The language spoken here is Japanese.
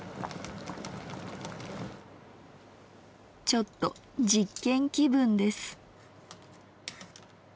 ちょっと実験気分です。